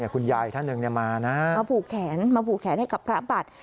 คุณยายท่านหนึ่งมานะมาผูกแขนมาผูกแขนให้กับพระบัตร